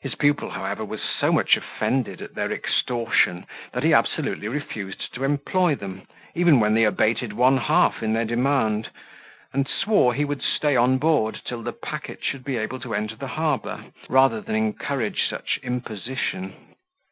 His pupil, however, was so much offended at their extortion, that he absolutely refused to employ them, even when they abated one half in their demand, and swore he would stay on board till the packet should be able to enter the harbour, rather than encourage such imposition.